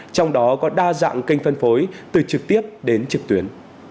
trong đó có đa dạng kênh phân phối từ trực tiếp đến trực tuyến